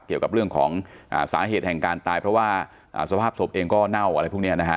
เกี่ยวกับเรื่องของสาเหตุแห่งการตายเพราะว่าสภาพศพเองก็เน่าอะไรพวกนี้นะฮะ